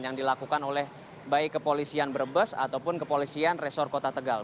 yang dilakukan oleh baik kepolisian brebes ataupun kepolisian resor kota tegal